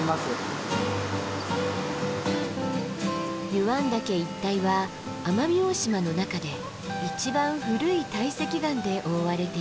湯湾岳一帯は奄美大島の中で一番古い堆積岩で覆われています。